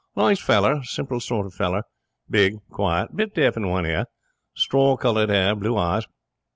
'Nice feller. Simple sort of feller. Big. Quiet. Bit deaf in one ear. Straw coloured hair. Blue eyes.